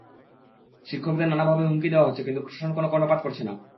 শিক্ষকদের নানাভাবে হুমকি দেওয়া হচ্ছে কিন্তু প্রশাসন কোনো কর্ণপাত করছে না।